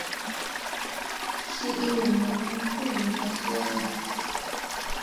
Sli iirim naa ni kulumina tut aya.